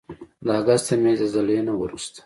د اګست د میاشتې د زلزلې نه وروسته